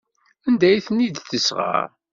Anda ay ten-id-tesɣa?